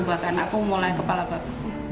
bahkan aku mulai kepala baku